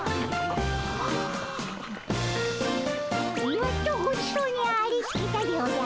やっとごちそうにありつけたでおじゃる。